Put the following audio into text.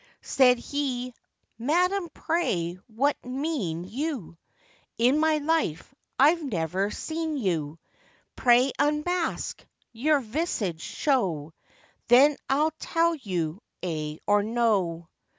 Said he, 'Madam, pray what mean you? In my life I've never seen you; Pray unmask, your visage show, Then I'll tell you aye or no.